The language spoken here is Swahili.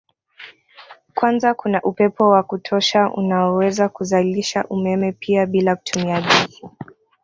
kwanza kuna upepo wa kutosha unaoweza kuzalisha umeme pia bila kutumia gesi